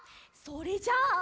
それじゃあ。